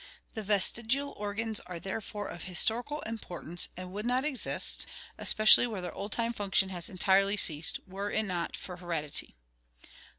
The ves tigial organs are therefore of historical importance and would not exist, especi ally where their old time function has entirely ceased, were it not for heredity.